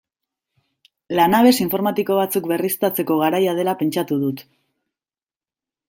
Lanabes informatiko batzuk berriztatzeko garaia dela pentsatu dut.